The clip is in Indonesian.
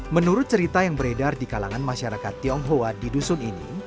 menurut cerita yang beredar di kalangan masyarakat tionghoa di dusun ini